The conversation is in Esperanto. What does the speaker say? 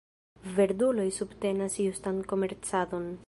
Verduloj subtenas justan komercadon.